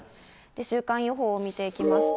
週間予報見ていきますと。